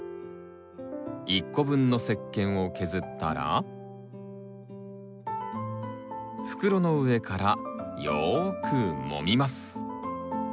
１個分の石けんを削ったら袋の上からよくもみます。